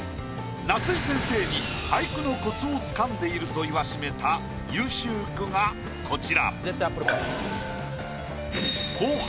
夏井先生に俳句のコツをつかんでいると言わしめた優秀句がこちら。